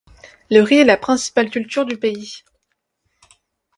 Le riz est la principale culture du pays.